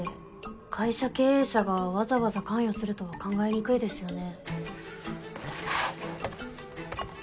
会社経営者がわざわざ関与するとは考えにくいですよね。